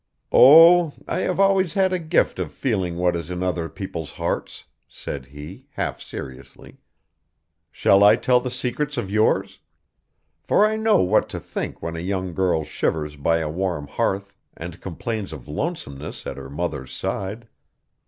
'Oh, I have always had a gift of feeling what is in other people's hearts,' said he, half seriously. 'Shall I tell the secrets of yours? For I know what to think when a young girl shivers by a warm hearth, and complains of lonesomeness at her mother's side.